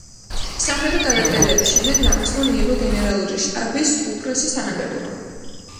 სამხედრო გადატრიალების შემდეგ რამოსმა მიიღო გენერალური შტაბის უფროსის თანამდებობა.